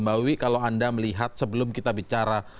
mbak wiwi kalau anda melihat sebelum kita bicara